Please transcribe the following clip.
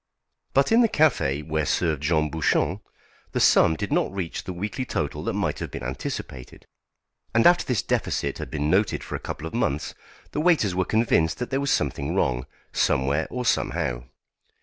But in the café where served Jean Bouchon the sum did not reach the weekly total that might have been anticipated; and after this deficit had been noted for a couple of months the waiters were convinced that there was something wrong, somewhere or somehow.